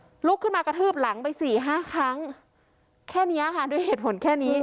ก็ลุกขึ้นมากระทืบหลังไปสี่ห้าครั้งแค่เนี้ยค่ะด้วยเหตุผลแค่นี้